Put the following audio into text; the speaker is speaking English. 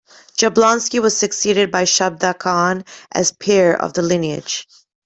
Jablonski was succeeded by Shabda Kahn as Pir of the lineage.